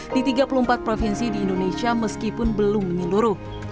di tiga puluh empat provinsi di indonesia meskipun belum menyeluruh